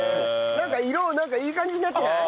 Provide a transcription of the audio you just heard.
なんか色いい感じになってない？